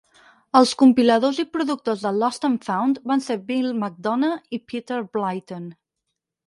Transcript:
Els compiladors i productors de "Lost and Found" van ser Bill McDonough i Peter Blyton.